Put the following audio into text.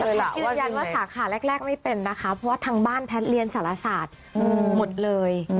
แต่ยืนยันว่าสาขาแรกไม่เป็นนะคะเพราะว่าทางบ้านแพทย์เรียนสารศาสตร์หมดเลย